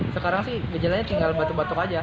sekarang sih gejalanya tinggal batuk batuk aja